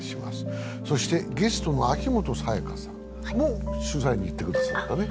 そしてゲストの秋元才加さんも取材に行ってくださったね